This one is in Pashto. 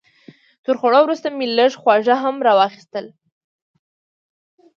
تر خوړو وروسته مې لږ خواږه هم راواخیستل.